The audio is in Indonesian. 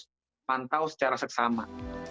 kita harus pantau secara seksama